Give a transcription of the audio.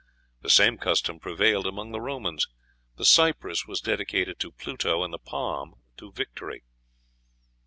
The same custom prevailed among the Romans the cypress was dedicated to Pluto, and the palm to Victory.